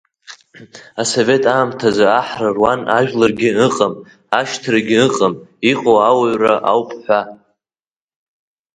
Асовет аамҭазы аҳра руан ажәлагьы ыҟам, ашьҭрагьы ыҟам, иҟоу ауаҩра ауп ҳәа.